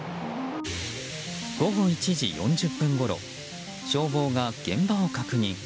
午後１時４０分ごろ消防が現場を確認。